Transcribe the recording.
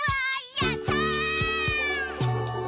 やったー！」